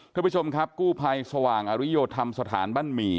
ท่านผู้ชมครับกู้ภัยสว่างอริโยธรรมสถานบ้านหมี่